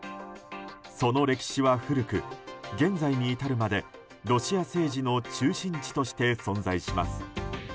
その歴史は古く、現在に至るまでロシア政治の中心地として存在します。